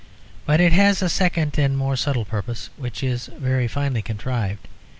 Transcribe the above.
But it has a second and more subtle purpose, which is very finely contrived.